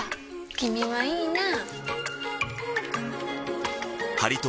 君はいいなぁ。